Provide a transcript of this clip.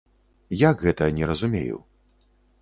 Як гэта, не разумею.